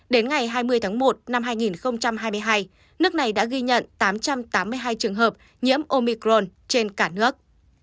đến ngày hai mươi tháng một năm hai nghìn hai mươi hai nước này đã ghi nhận tám trăm tám mươi hai trường hợp nhiễm omicron trên cả nước